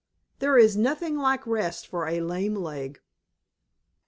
There is nothing like rest for a lame leg."